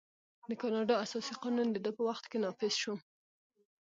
د کاناډا اساسي قانون د ده په وخت کې نافذ شو.